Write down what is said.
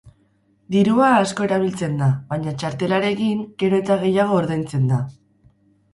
Dirua asko erabiltzen da, baina, txartelarekin gero eta gehiago ordaintzen da.